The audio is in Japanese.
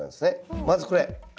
まずこれ。